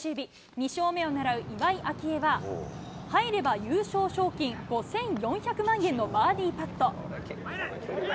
２勝目をねらう岩井明愛は、入れば優勝賞金５４００万円のバーディーパット。